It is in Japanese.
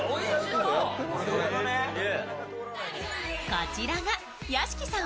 こちらが屋敷さん